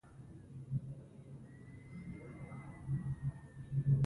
څوک چې ښځې چلوي، له هغو د ښو تمه مه کوه.